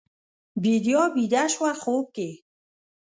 بیدیا بیده شوه خوب کې